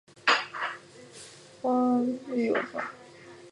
流出物的反应活性的这些测量指示污染的能力。